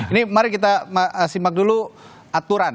ini mari kita simak dulu aturan